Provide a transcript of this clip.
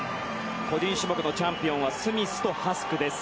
個人種目のチャンピオンはスミスとハスクです。